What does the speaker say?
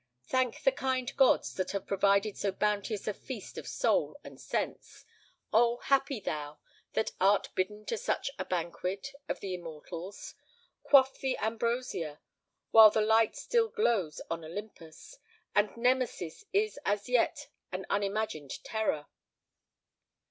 Thank the kind gods, that have provided so bounteous a feast of soul and sense! Oh! happy thou, that art bidden to such a banquet of the immortals; quaff the ambrosia, while the light still glows on Olympus, and Nemesis is as yet an unimagined terror.